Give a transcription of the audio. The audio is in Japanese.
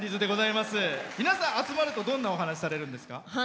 皆さん集まるとどんなお話しされるんですか？